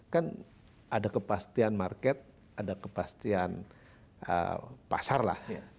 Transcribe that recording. kan ada kepastian market ada kepastian pasar lah